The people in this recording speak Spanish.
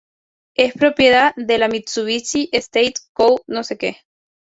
Es propiedad de la Mitsubishi Estate Co Ltd.